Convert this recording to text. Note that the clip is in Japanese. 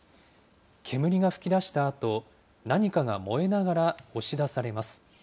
煙が噴き出したあと、何かが燃えながら押し出されます。